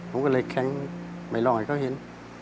ผมก็เลยแข็งไม่รอให้เขาเห็น